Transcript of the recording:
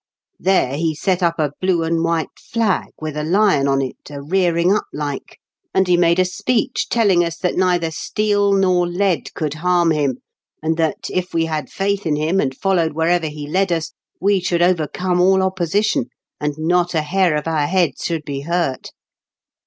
There he set up a blue and white flag, with a lion on it, a rearing up like ; and ON TEE MABOH. 147 he made a speech, telling us that neither steel nor lead could harm him, and that, if we had faith in him, and followed wherever he led ns, we should overcome all opposition, and not a hair of our heads should be hurt.